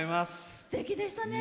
すてきでしたね。